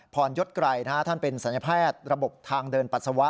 พรยศไกรท่านเป็นศัลยแพทย์ระบบทางเดินปัสสาวะ